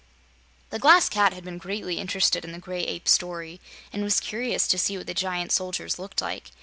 The Glass Cat had been greatly interested in the Gray Ape's story and was curious to see what the giant soldiers looked like.